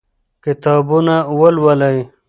کتابونه ولولئ.